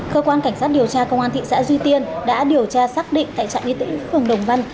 cơ quan cảnh sát điều tra công an thị xã duy tiên đã điều tra xác định tại trạm y tế phường đồng văn